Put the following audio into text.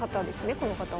この方は。